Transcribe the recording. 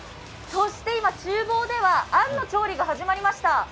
そして今、ちゅう房ではあんの調理が始まりました。